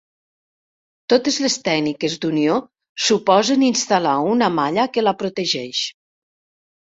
Totes les tècniques d'unió suposen instal·lar una malla que la protegeix.